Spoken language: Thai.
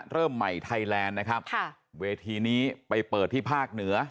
เริ่มใหม่ไทยแลนด์นะครับค่ะเวทีนี้ไปเปิดที่ภาคเหนือ